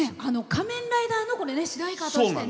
「仮面ライダー」の主題歌としてね。